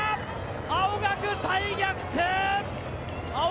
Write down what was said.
青学、再逆転！